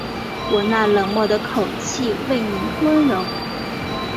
我那冷漠的口气为妳温柔